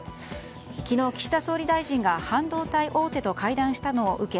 昨日、岸田総理大臣が半導体大手と会談したのを受け